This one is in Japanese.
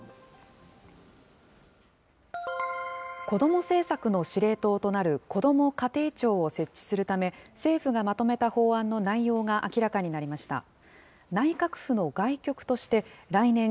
子ども政策の司令塔となる、こども家庭庁を設置するため、政府がまとめた法案の内容が明らかになりました。